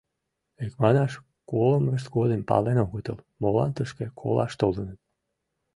Икманаш, колымышт годым пален огытыл, молан тышке колаш толыныт.